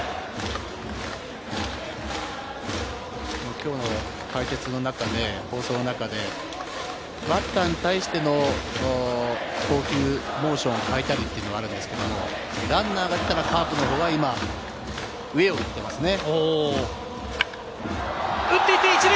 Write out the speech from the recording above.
きょうの解説の中で、放送の中でバッターに対しての投球、モーションを変えたりっていうのがあるんですけれども、ランナーがいたらカープのほうが上をいってますね。